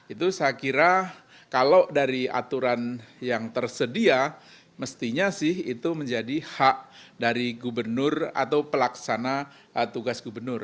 itu saya kira kalau dari aturan yang tersedia mestinya sih itu menjadi hak dari gubernur atau pelaksana tugas gubernur